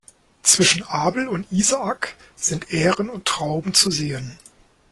Zwischen Abel und Isaak sind Ähren und Trauben zu sehen.